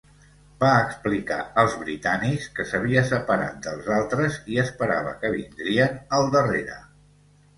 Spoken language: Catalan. Va explicar als britànics que s'havia separat dels altres i esperava que vindrien al darrere.